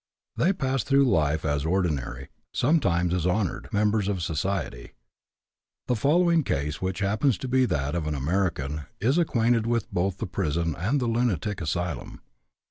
They pass through life as ordinary, sometimes as honored, members of society. The following case, which happens to be that of an American, is acquainted with both the prison and the lunatic asylum.